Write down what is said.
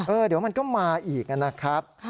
เดี๋ยวมันก็มาอีกนะครับ